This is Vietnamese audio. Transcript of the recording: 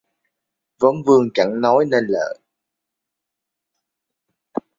Vấn vương chẳng nói nên lời